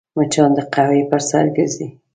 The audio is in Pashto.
مچان د قهوې پر سر ګرځي